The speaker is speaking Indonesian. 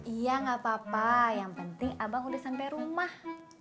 iya nggak apa apa yang penting abang udah sampai rumah